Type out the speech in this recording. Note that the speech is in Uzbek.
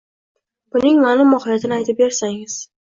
Buning ma’no-mohiyatini aytib bersangiz?